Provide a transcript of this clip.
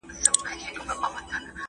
خطیب له ورقې لوست کاوه.